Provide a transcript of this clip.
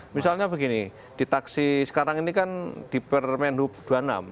misalnya begini di taksi sekarang ini kan di permen hub dua puluh enam